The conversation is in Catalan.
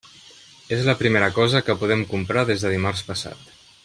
És la primera cosa que podem comprar des de dimarts passat.